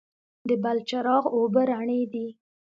د بلچراغ اوبه رڼې دي